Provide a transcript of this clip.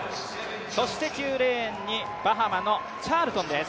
９レーンにバハマのチャールトンです。